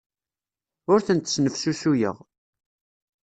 Ur tent-snefsusuyeɣ.